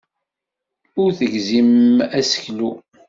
Ur tegzimem aseklu.